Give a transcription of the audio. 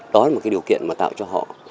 đó là một cái điều kiện mà tạo cho họ